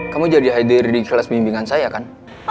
kamu jadi aidir di kelas pemimbingan saya kan